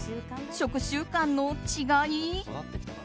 食習慣の違い？